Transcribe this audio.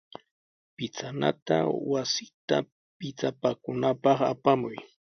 Pichanata wasita pichapakunapaq apamuy.